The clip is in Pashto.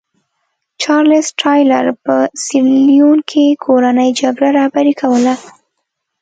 چارلېز ټایلر په سیریلیون کې کورنۍ جګړه رهبري کوله.